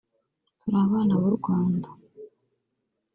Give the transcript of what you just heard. turi abana b’u rwanda